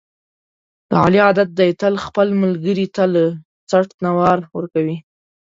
د علي عادت دی، تل خپل ملګري ته له څټ نه وار ورکوي.